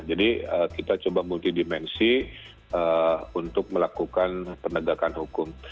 jadi kita coba multi dimensi untuk melakukan penegakan hukum